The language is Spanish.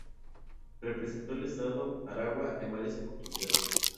Representó al Estado Aragua en varias oportunidades.